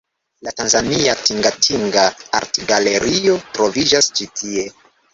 La tanzania Tingatinga Artgalerio troviĝas ĉi tie.